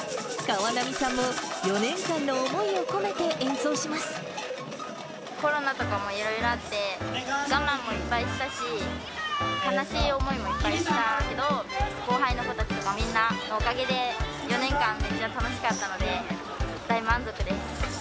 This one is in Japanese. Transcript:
川波さんも、４年間の思いを込めコロナとかもいろいろあって、我慢もいっぱいしたし、悲しい思いもいっぱいしたけど、後輩の子たちとか、みんなのおかげで、４年間、めっちゃ楽しかったので、大満足です。